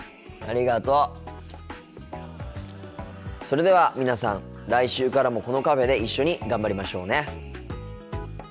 それでは皆さん来週からもこのカフェで一緒に頑張りましょうね。